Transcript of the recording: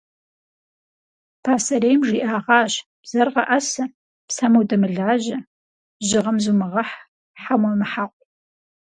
Пасэрейм жиӏэгъащ: бзэр гъэӏэсэ, псэм удэмылажьэ, жьыгъэм зумыгъэхь, хьэм уемыхьэкъу.